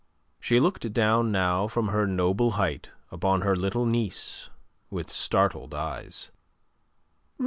She looked down now from her noble height upon her little niece with startled eyes.